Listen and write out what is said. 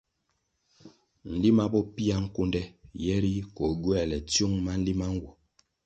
Nlima bo pia nkunde yeri koh gywēle tsiung ma nlima nwo.